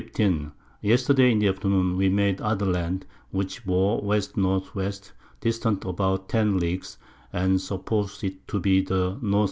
_ Yesterday in the Afternoon we made other Land, which bore W. N. W. distant about 10 Leagues, and suppos'd it to be the N. E.